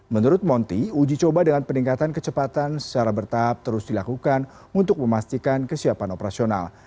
menurut monti uji coba dengan peningkatan kecepatan secara bertahap terus dilakukan untuk memastikan kesiapan operasional